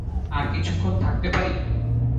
আর কিছুক্ষণ থাকতে পারি?